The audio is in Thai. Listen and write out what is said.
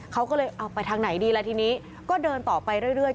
เขาก็เลยเอาไปทางไหนดีล่ะทีนี้ก็เดินต่อไปเรื่อย